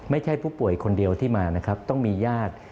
ไม่ใช่ผู้ป่วยคนเดียวที่มานะครับต้องมีญาติ